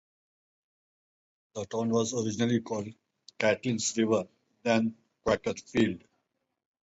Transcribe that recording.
The town was originally called "Catlins River", then "Quakerfield".